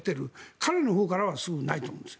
彼のほうからはないと思うんです。